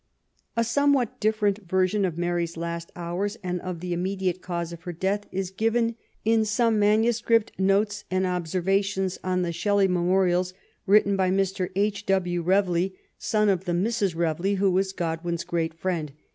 A somewhat different version of Mary's last hours and of the immediate cause of her death is given in 4some manuscript Notes and Observations on the Shelley Memorials, written by Mr. H. W. Revcley, son of the Mrs. Reveley who was Godwin's great friend.